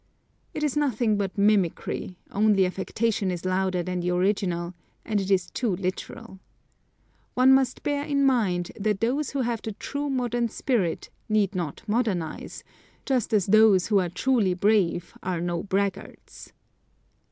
It is nothing but mimicry, only affectation is louder than the original, and it is too literal. One must bear in mind, that those who have the true modern spirit need not modernise, just as those who are truly brave are not braggarts.